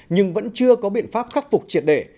nhưng vẫn chưa có biện pháp khắc phục triệt để